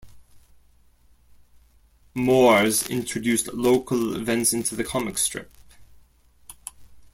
Moores introduced local events into the comic strip.